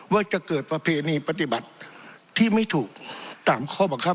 ว่าจะเกิดประเพณีปฏิบัติที่ไม่ถูกตามข้อบังคับ